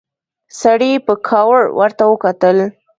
سړي په کاوړ ورته وکتل.